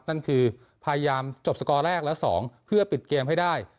นั่นคือพยายามจบสกอร์แรกและ๒เพื่อปิดเกมให้ได้